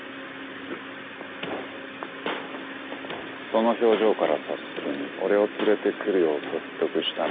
その表情から察するに俺を連れてくるよう説得したのは。